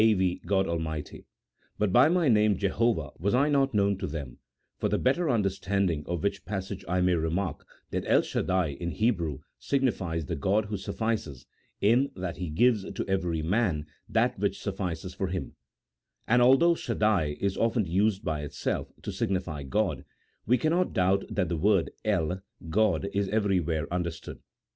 V. God Almighty) ; but by my name Jehovah was I not known to them "— for the better understanding of which passage I may remark that El Sadai, in Hebrew, signifies the God who suffices, in that He gives to every man that which suffices for him ; and, although Sadai is often used by itself, to signify God, we cannot doubt that the word El (God) is everywhere understood.